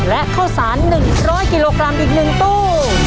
และข้าวสาร๑๐๐กิโลกรัมอีก๑ตู้